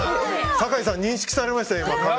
酒井さん、認識されましたよ。